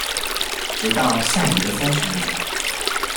直到下一个三十年